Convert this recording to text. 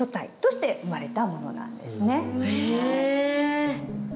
へえ！